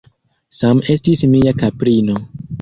Sam estis mia kaprino.